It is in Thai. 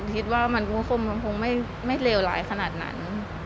คิดว่ามันคงไม่เลวร้ายขนาดนั้น